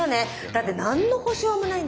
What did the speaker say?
だって何の保証もないんだから。